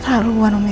semoga semuanya baik